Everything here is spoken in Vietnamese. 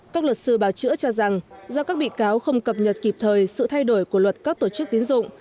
các luật sư bảo chữa cho rằng do các bị cáo không cập nhật kịp thời sự thay đổi của luật các tổ chức tiến dụng